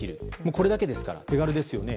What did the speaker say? これだけですから手軽ですよね。